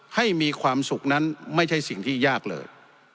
ให้มีความสุขนั้นไม่ใช่สิ่งที่ยากเลย